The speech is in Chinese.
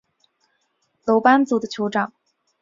楼班族的酋长。